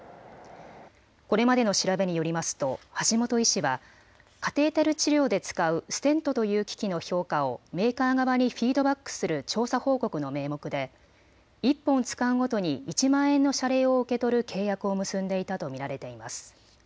これまでの調べによりますと橋本医師はカテーテル治療で使うステントという機器の評価をメーカー側にフィードバックする調査報告の名目で１本使うごとに１万円の謝礼を受け取る契約を結んでいたと見られています。